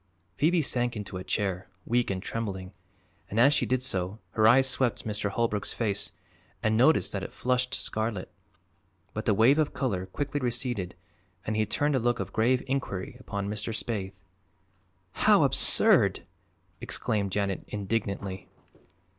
Phoebe sank into a chair, weak and trembling, and as she did so her eyes swept Mr. Holbrook's face and noticed that it flushed scarlet. But the wave of color quickly receded and he turned a look of grave inquiry upon Mr. Spaythe. "How absurd!" exclaimed Janet indignantly.